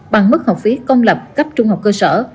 bằng mức học phí công lập cấp trung học cơ sở